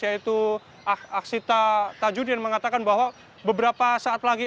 yaitu aksita tajudin mengatakan bahwa beberapa saat lagi